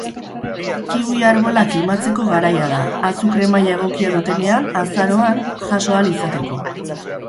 Kiwi arbolak kimatzeko garaia da, azukre-maila egokia dutenean, azaroan, jaso ahal izateko.